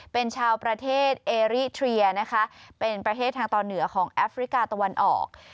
เป็นชาวประเทศเอริเทียนะคะเป็นประเทศทางต่อเหนือของแอฟริกาตะวันออก